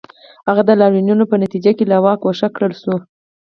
هغه د لاریونونو په نتیجه کې له واکه ګوښه کړل شو.